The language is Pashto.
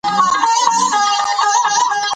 ایا د جګړې او سولې رومان لنډه بڼه هم شته؟